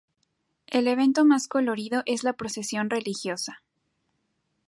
El evento más colorido es la procesión religiosa.